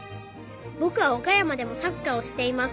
「ぼくは岡山でもサッカーをしています」